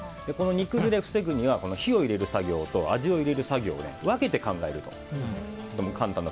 この煮崩れを防ぐには火を入れる作業と味を入れる作業を分けて考えると。